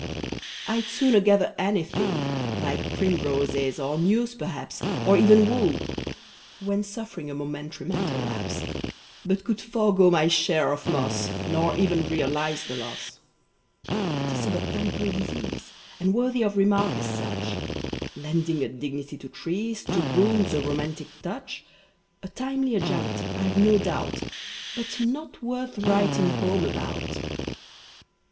I'd sooner gather anything, Like primroses, or news perhaps, Or even wool (when suffering A momentary mental lapse); But could forego my share of moss, Nor ever realize the loss. 'Tis a botanical disease, And worthy of remark as such; Lending a dignity to trees, To ruins a romantic touch. A timely adjunct, I've no doubt, But not worth writing home about.